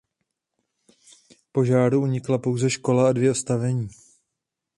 Požáru unikla pouze škola a dvě stavení.